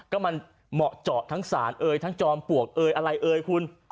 ก็มันเหมาะเจาะทั้งสารเอ่ยทั้งจอมปลวกเอยอะไรเอ่ยคุณ